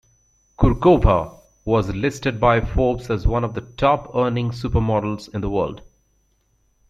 Kurkova was listed by Forbes as one of the top-earning supermodels in the world.